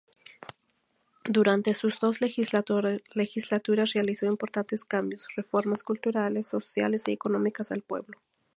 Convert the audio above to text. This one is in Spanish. Durante sus dos legislaturas realizó importantes cambios, reformas culturales, sociales y económicas al pueblo.